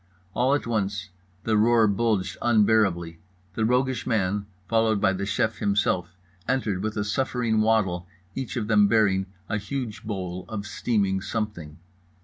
All at once the roar bulged unbearably. The roguish man, followed by the chef himself, entered with a suffering waddle, each of them bearing a huge bowl of steaming something.